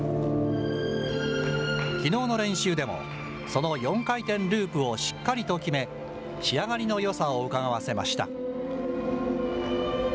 きのうの練習でも、その４回転ループをしっかりと決め、仕上がりのよさをうかがわせました。